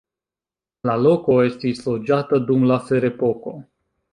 La loko estis loĝata dum la ferepoko.